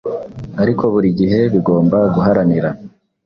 ariko buri gihe bigomba guharanira.